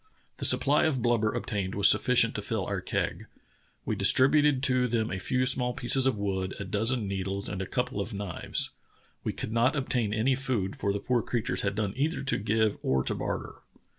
The supply of blubber obtained was sufficient to fill our keg. We dis tributed to them a few small pieces of wood, a dozen needles, and a couple of knives. We could not obtain any food, for the poor creatures had none either to give or to barter."